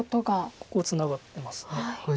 ここツナがってます。